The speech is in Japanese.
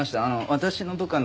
私の部下の。